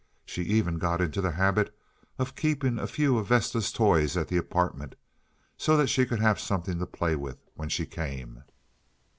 She even got into the habit of keeping a few of Vesta's toys at the apartment, so that she could have something to play with when she came.